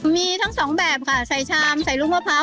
มีทั้งสองแบบค่ะใส่ชามใส่ลูกมะพร้าว